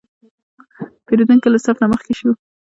پیرودونکی له صف نه مخکې شو.